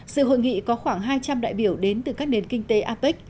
sự hội nghị có khoảng hai trăm linh đại biểu đến từ các nền kinh tế apec